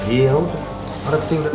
iya ampun ngerti udah